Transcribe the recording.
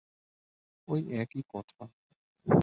ঐ একই কথা।